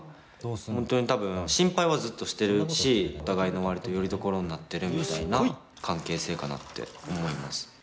本当に多分心配はずっとしてるしお互いの割とよりどころになってるみたいな関係性かなって思います。